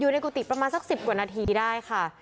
อยู่ในกุฏิประมาณสัก๑๐กว่านาทีได้ค่ะ